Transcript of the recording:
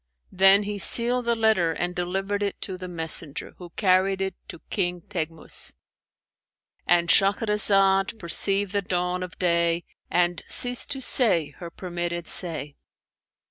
Then he sealed the letter and delivered it to the messenger, who carried it to King Teghmus."—And Shahrazad perceived the dawn of day and ceased to say her permitted say.